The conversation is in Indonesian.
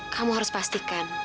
kamu harus pastikan